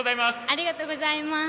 ありがとうございます。